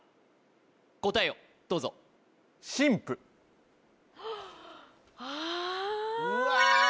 答えをどうぞああうわ